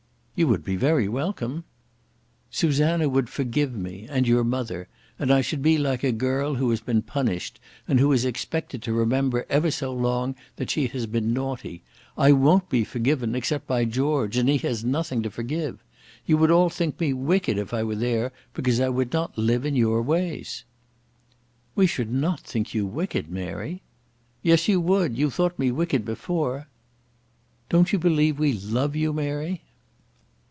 "You would be very welcome." "Susanna would forgive me, and your mother. And I should be like a girl who has been punished, and who is expected to remember ever so long that she has been naughty. I won't be forgiven, except by George, and he has nothing to forgive. You would all think me wicked if I were there, because I would not live in your ways." "We should not think you wicked, Mary." "Yes, you would. You thought me wicked before." "Don't you believe we love you, Mary?"